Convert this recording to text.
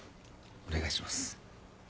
お願いします。